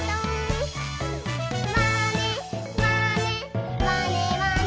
「まねまねまねまね」